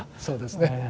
そうですね。